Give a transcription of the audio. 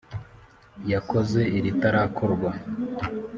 yakoze iritarakorwa